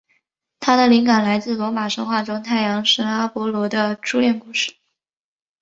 它的灵感来自罗马神话中太阳神阿波罗的初恋故事。